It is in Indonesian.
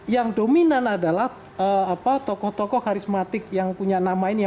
yang dominan adalah tokoh tokoh karismatik yang punya nama ini